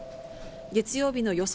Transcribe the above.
月曜日の予想